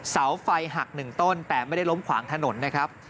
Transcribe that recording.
เสาไฟหักหนึ่งต้นแต่ไม่ได้ล้มขวางถนนนะครับ